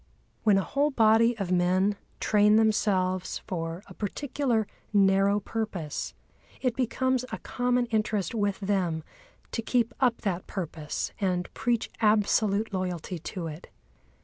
When a whole body of men train themselves for a particular narrow purpose, it becomes a common interest with them to keep up that purpose and preach absolute loyalty to it.